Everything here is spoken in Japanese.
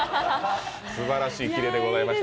すばらしいキレでございました。